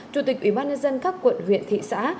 chủ tịch ủy ban nhân dân các quận huyện thị xã